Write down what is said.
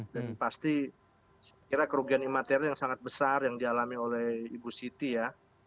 jadi pasti saya kira kerugian imateril yang sangat besar yang dialami oleh ibu siti ya